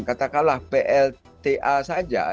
katakanlah plta saja